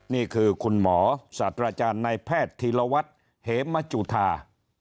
นี่คือคุณหมอศาสตราจารย์นายแพทย์ธีรวัตรเหมจุธา